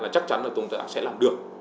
chắc chắn là chúng ta sẽ làm được